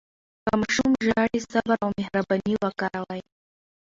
که ماشوم ژاړي، صبر او مهرباني وکاروئ.